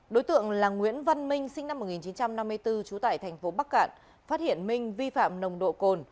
đối tượng là nguyễn văn minh sinh năm một nghìn chín trăm năm mươi bốn trú tại thành phố bắc cạn phát hiện minh vi phạm nồng độ cồn